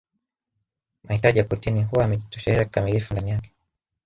Mahitaji ya protini huwa yamejitosheleza kikamilifu ndani yake